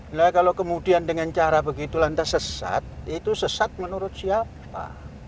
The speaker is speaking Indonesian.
nah kalau kemudian dengan cara begitu lantas sesat itu sesat menurut siapa